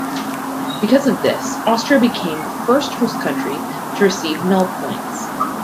Because of this, Austria became the first host country to receive nul points.